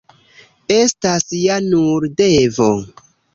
Estas ja nur devo.